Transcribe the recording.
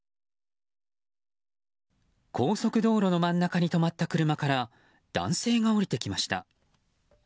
高速道路の真ん中に止まった車から男性が降りてきました。